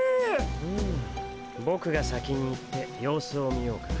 うんボクが先に行って様子を見ようか？